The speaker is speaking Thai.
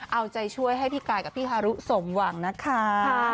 เอาใจช่วยให้พี่กายกับพี่ฮารุสมหวังนะคะ